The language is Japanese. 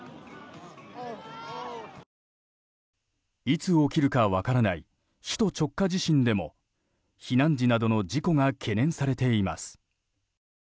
いつ起きるか分からない首都直下地震でも避難時などの事故が懸念されています。